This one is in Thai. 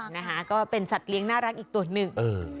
นะคะก็เป็นสัตว์เลี้ยงน่ารักอีกตัวหนึ่งเออ